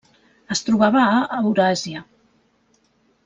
Es trobava a Euràsia.